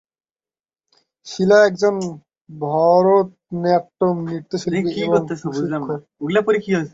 শীলা একজন ভরতনাট্যম নৃত্যশিল্পী এবং প্রশিক্ষক।